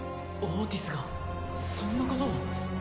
オーティスがそんなことを？